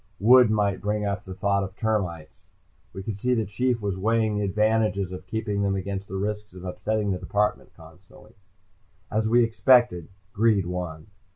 Wood might bring up the thought of termites. We could see the Chief was weighing the advantages of keeping them against the risks of upsetting the department constantly. As we expected, greed won.